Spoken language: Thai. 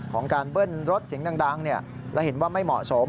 ของการเบิ้ลรถเสียงดังและเห็นว่าไม่เหมาะสม